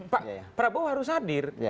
pak prabowo harus hadir